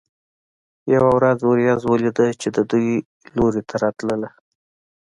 یوه ورځ ورېځ ولیده چې د دوی لوري ته راتله.